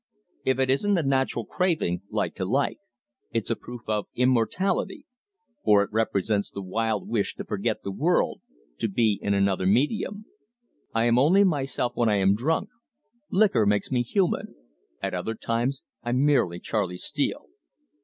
If it isn't a natural craving like to like it's a proof of immortality, for it represents the wild wish to forget the world, to be in another medium. "I am only myself when I am drunk. Liquor makes me human. At other times I'm merely Charley Steele!